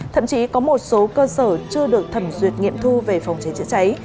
thậm chí có một số cơ sở chưa được thẩm duyệt nghiệm thu về phòng cháy chữa cháy